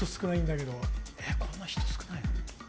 こんな人少ないの？